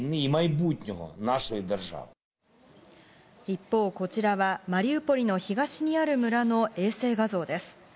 一方、こちらはマリウポリの東にある村の衛星画像です。